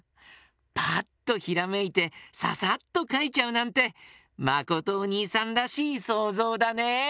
パッとひらめいてササッとかいちゃうなんてまことおにいさんらしいそうぞうだね。